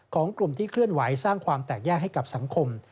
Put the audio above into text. ของกลุ่มที่เคลื่อนไหวสร้างความแตกแยกให้กับสังคม